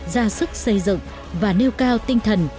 ra sức xây dựng và nêu cao tinh thần